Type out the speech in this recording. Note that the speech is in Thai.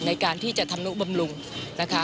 ในการที่จะทำนุบำรุงนะคะ